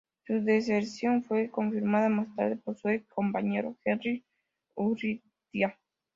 Su deserción fue confirmada más tarde por su ex compañero Henry Urrutia.